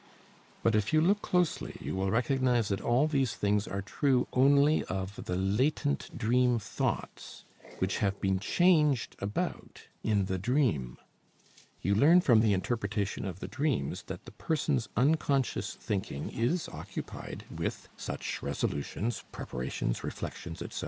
But if you look closely, you will recognize that all these things are true only of the latent dream thoughts, which have been changed about in the dream. You learn from the interpretation of the dreams that the person's unconscious thinking is occupied with such resolutions, preparations, reflections, etc.